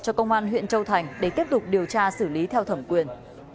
cho công an huyện châu thành để tiếp tục điều tra xử lý theo thẩm quyền